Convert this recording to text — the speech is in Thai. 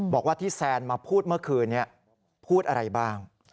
บอกว่าที่แซนมาพูดเมื่อคืนนี้พูดอะไรบ้าง